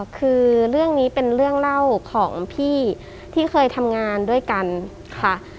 คือเรื่องนี้เป็นเรื่องเล่าของพี่ที่เคยทำงานด้วยกันค่ะ